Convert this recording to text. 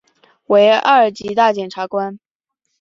为二级大检察官。